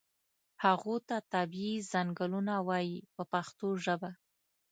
هغو ته طبیعي څنګلونه وایي په پښتو ژبه.